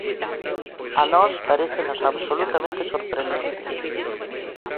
A nós parécenos absolutamente sorprendente.